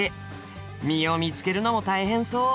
実を見つけるのも大変そう。